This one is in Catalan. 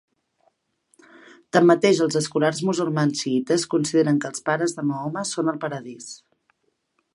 Tanmateix, els escolars musulmans xiïtes consideren que els pares de Mahoma són al paradís.